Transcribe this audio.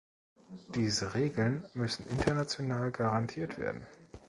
Diese Regeln müssen international garantiert werden.